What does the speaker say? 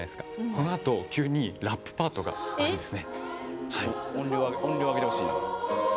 このあと急にラップパートがあるんです。